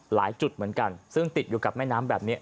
หลายจุดเหมือนกันซึ่งติดอยู่กับแม่น้ำแบบนี้